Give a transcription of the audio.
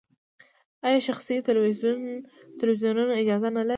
آیا شخصي تلویزیونونه اجازه نلري؟